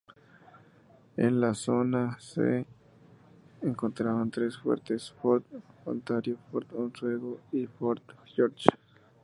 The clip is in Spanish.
En la zona se encontraban tres fuertes, Fort Ontario, Fort Oswego y Fort George.